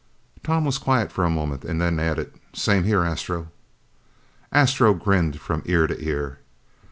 Tom was quiet for a moment, and then added, "Same here, Astro." Astro grinned from ear to ear.